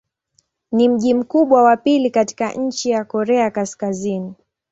Ni mji mkubwa wa pili katika nchi wa Korea Kaskazini.